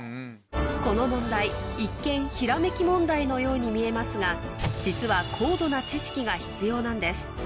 この問題一見ひらめき問題のように見えますが実は高度な知識が必要なんです